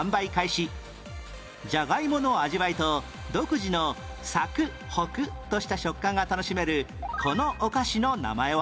じゃがいもの味わいと独自のサクッホクッとした食感が楽しめるこのお菓子の名前は？